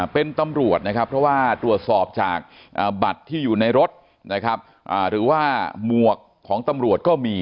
เป็นตำรวจนะครับเพราะว่าตรวจสอบจากบัตรที่อยู่ในรถนะครับหรือว่าหมวกของตำรวจก็มี